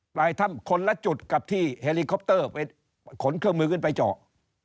ปลายถ้ำคนละจุดกับที่เฮลิคอปเตอร์ไปขนเครื่องมือขึ้นไปเจาะ